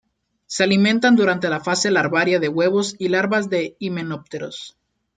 Se alimentan durante la fase larvaria de huevos y larvas de himenópteros.